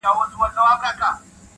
بیا حملې سوې د بازانو شاهینانو-